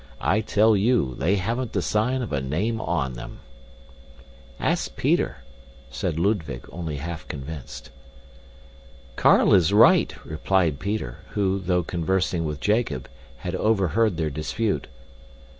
I tell you, they haven't the sign of a name on them." "Ask Peter," said Ludwig, only half convinced. "Carl is right," replied Peter, who, though conversing with Jacob, had overheard their dispute.